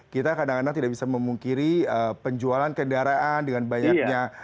kita kadang kadang tidak bisa memungkiri penjualan kendaraan dengan banyaknya